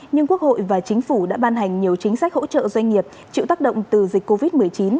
nhưng quốc hội và chính phủ đã ban hành nhiều chính sách hỗ trợ doanh nghiệp chịu tác động từ dịch covid một mươi chín